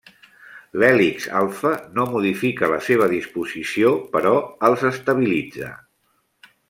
L’hèlix alfa no modifica la seva disposició però els estabilitza.